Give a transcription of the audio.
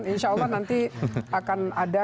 insya allah nanti akan ada